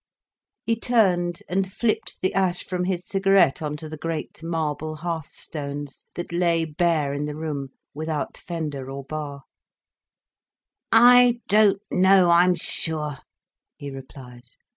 He turned, and flipped the ash from his cigarette on to the great marble hearth stones, that lay bare in the room, without fender or bar. "I don't know, I'm sure," he replied.